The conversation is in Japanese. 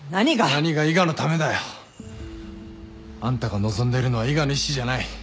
何が伊賀のためだよ。あんたが望んでるのは伊賀の意志じゃない。